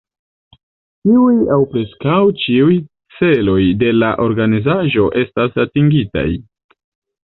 Ĉiuj aŭ preskaŭ ĉiuj celoj de la organizaĵo estas atingitaj.